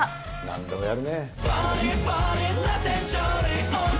なんでもやるね。